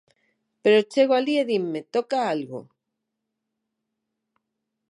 Pero chego alí e dinme: toca algo.